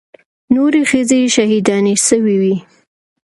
نورې ښځې شهيدانې سوې وې.